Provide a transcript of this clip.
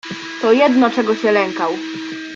"To jedno, czego się lękał."